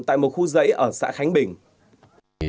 tại một khu giấy ở xã khánh bình